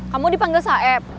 kamu dipanggil saeb